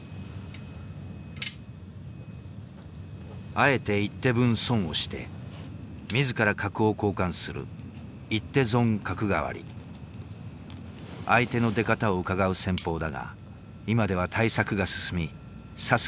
あえて一手分損をして自ら角を交換する相手の出方をうかがう戦法だが今では対策が進み指す